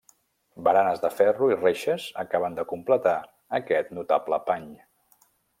Baranes de ferro i reixes acaben de completar aquest notable pany.